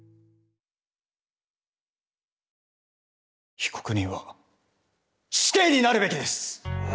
被告人は死刑になるべきです。